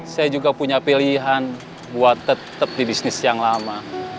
saya juga punya pilihan buat tetap di bisnis yang lama